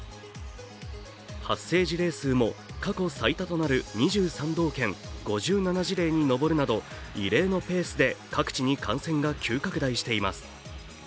発生事例数も過去最多となる２３道県、５７事例に上るなど、異例のペースで各地に感染が急拡大しています。